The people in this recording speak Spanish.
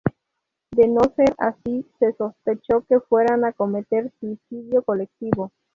De no ser así, se sospechó que fueran a cometer suicidio colectivo.